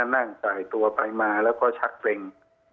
นั่งใส่ตัวไปมาแล้วก็ชักตริง